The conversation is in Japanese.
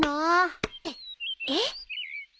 えっ？